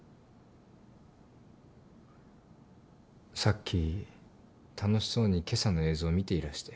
さっき楽しそうに今朝の映像を見ていらして。